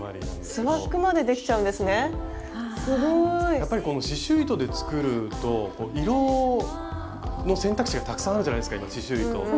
やっぱりこの刺しゅう糸で作ると色の選択肢がたくさんあるじゃないですか刺しゅう糸って。